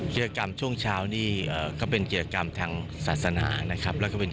เกียรติกรรมช่วงเช้านี้ก็เป็นเกียรติกรรมทางศาสนานะครับ